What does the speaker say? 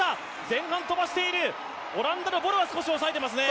前半飛ばしている、オランダのボルは少し抑えていますね。